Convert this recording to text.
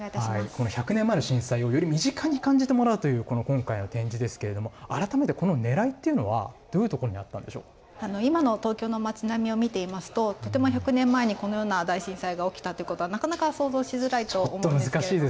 この１００年前の震災を、より身近に感じてもらうという、この今回の展示ですけれども、改めてこのねらいというのは、どうい今の東京の町並みを見ていますと、とても１００年前にこのような大震災が起きたということは、なかなか想像しづらいと思うんですけれども。